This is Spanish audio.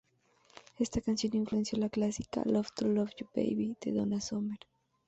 Esta canción influenció la clásica "Love to Love You Baby" de Donna Summer.